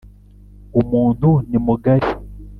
Umuntu nimugari.